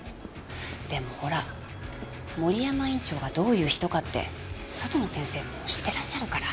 でもほら森山院長がどういう人かって外の先生も知ってらっしゃるから。